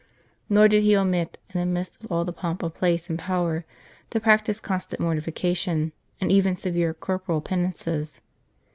Nor did he omit, in the midst of all the pomp of place and power, to practise constant mortification, and even severe corporal penances.